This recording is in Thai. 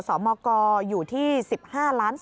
สวัสดีค่ะ